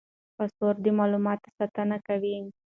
پاسورډ د معلوماتو ساتنه کوي.